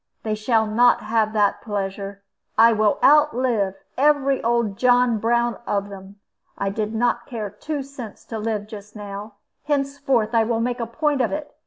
They shall not have that pleasure. I will outlive every old John Brown of them. I did not care two cents to live just now. Henceforth I will make a point of it.